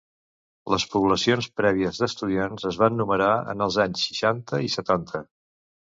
Les poblacions prèvies d'estudiants es van numerar en els anys seixanta i setanta.